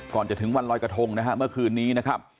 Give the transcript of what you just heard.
ก่อนจะถึงวันลอยกระทงนะฮะเมื่อคืนนี้นะครับ